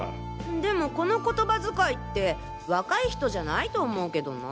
でもこの言葉遣いって若い人じゃないと思うけどな。